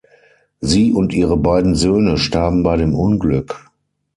Sie und ihre beiden Söhne starben bei dem Unglück.